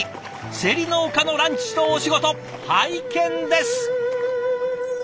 せり農家のランチとお仕事拝見です。